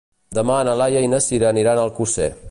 Demà na Laia i na Sira aniran a Alcosser.